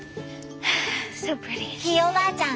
ひいおばあちゃん